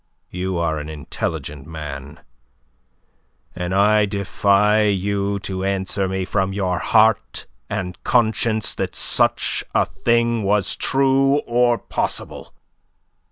You are an intelligent man, and I defy you to answer me from your heart and conscience that such a thing was true or possible.